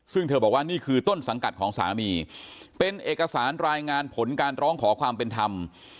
ซึ่งเธอบอกว่านี่คือต้นสังกัดของสามีเป็นเอกสารรายงานผลการร้องขอความเป็นธรรม